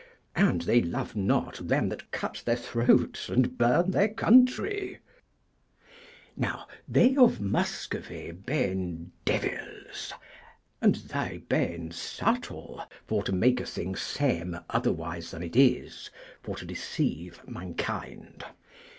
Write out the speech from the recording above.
And they love not them that cut their throats, and burn their country. Now they of Muscovy ben Devyls, und they ben subtle for to make a thing seme otherwise than it is, for to deceive mankind.